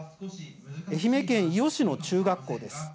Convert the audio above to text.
愛媛県伊予市の中学校です。